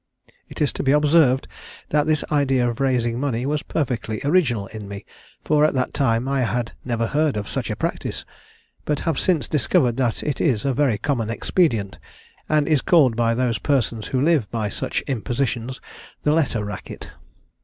"It is to be observed that this idea of raising money was perfectly original in me, for at that time I had never heard of such a practice, but have since discovered that it is a very common expedient, and is called by those persons who live by such impositions, 'the Letter Racket.'